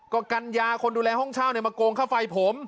ก็กัญญาคนดูแลห้องเช่ามาโกงค่าไฟผม